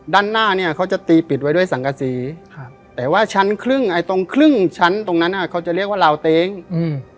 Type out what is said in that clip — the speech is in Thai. ด้านหน้าเนี้ยเขาจะตีปิดไว้ด้วยสังกษีครับแต่ว่าชั้นครึ่งไอ้ตรงครึ่งชั้นตรงนั้นอ่ะเขาจะเรียกว่าลาวเต้งอืม